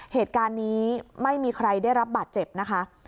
เหตุการณ์นี้ไม่มีใครได้รับบาดเจ็บนะคะ